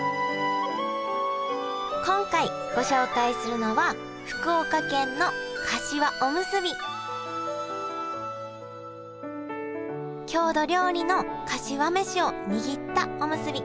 今回ご紹介するのは郷土料理のかしわ飯を握ったおむすび。